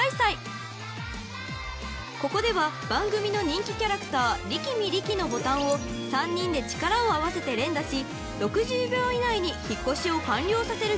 ［ここでは番組の人気キャラクター力見力のボタンを３人で力を合わせて連打し６０秒以内に引っ越しを完了させるゲームや］